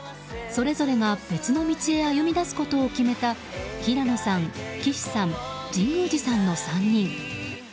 それぞれが別の道へ歩みだすことを決めた平野さん、岸さん、神宮寺さんの３人。